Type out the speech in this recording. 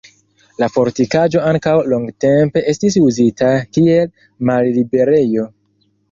La fortikaĵo ankaŭ longtempe estis uzita kiel malliberejo.